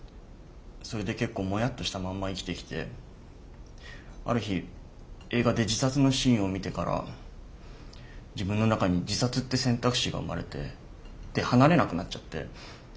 それで結構モヤッとしたまんま生きてきてある日映画で自殺のシーンを見てから自分の中に自殺って選択肢が生まれてで離れなくなっちゃって。